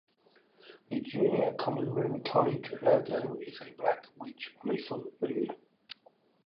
The Junior Common Room College logo is a black witch on a full moon.